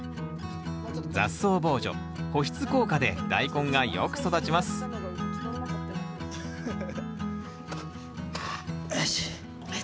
雑草防除保湿効果でダイコンがよく育ちますよし。